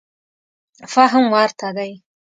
فهم ورته دی.